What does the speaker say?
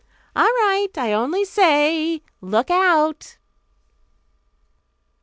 "All right. I only say, look out."